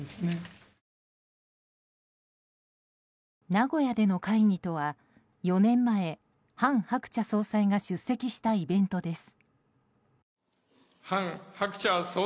名古屋での会議とは４年前、韓鶴子総裁が出席したイベントです。